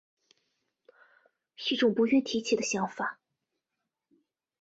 一种不愿提起的想法